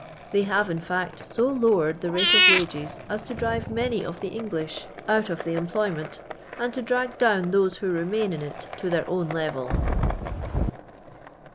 They have, in fact, so lowered the raU of wages as to 'drive many of the English out of the employment, and to drag down those who remain in it to their own level.